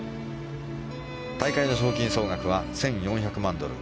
大会の賞金総額は１４００万ドル